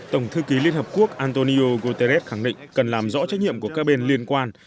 tổng thư ký liên hợp quốc antonio guterres khẳng định cần làm rõ trách nhiệm của các bên liên quan